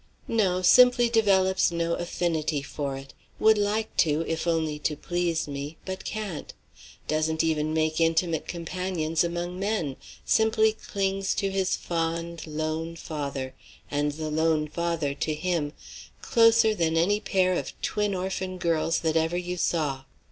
"No, simply develops no affinity for it; would like to, if only to please me; but can't. Doesn't even make intimate companions among men; simply clings to his fond, lone father, and the lone father to him, closer than any pair of twin orphan girls that ever you saw.